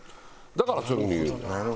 だからそういう風に言うんだよ。